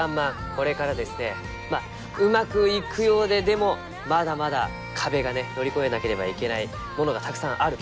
これからですねまあうまくいくようででもまだまだ壁がね乗り越えなければいけないものがたくさんあると。